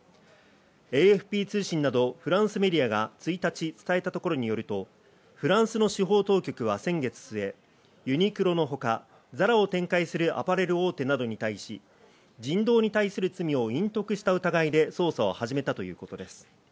ＡＦＰ通信などフランスメディアが１日伝えたところによると、フランスの司法当局は先月末、ユニクロのほかＺＡＲＡを展開するアパレル大手などに対し、人道に対する罪を隠匿した疑いで捜査を始めたということです。